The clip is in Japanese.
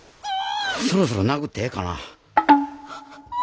そろそろ殴ってええかな。